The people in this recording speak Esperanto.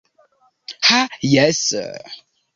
Ha jes...